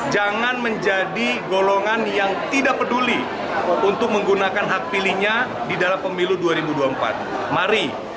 jangan menjadi golongan yang tidak peduli untuk menggunakan hak pilihnya di dalam pemilu dua ribu dua puluh empat mari